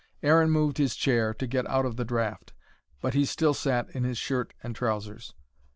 Aaron moved his chair, to get out of the draught. But he still sat in his shirt and trousers.